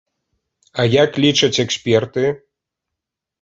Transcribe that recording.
А як лічаць эксперты?